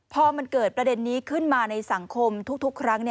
พอมันเกิดประเด็นนี้ขึ้นมาในสังคมทุกครั้ง